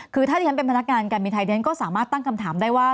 คือถ้าที่ฉันเป็นพนักงานการบินไทยเรียนก็สามารถตั้งคำถามได้ว่า